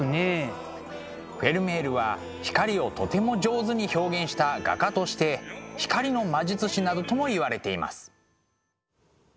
フェルメールは光をとても上手に表現した画家として光の魔術師などともいわれています。